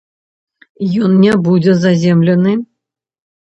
Ён не будзе заземлены.